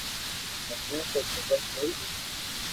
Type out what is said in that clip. مني تو خبر ڪوئي ني